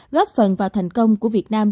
góp phần vào thành công của việt nam